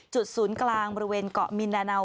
ศูนย์กลางบริเวณเกาะมินดาเนา